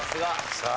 さあ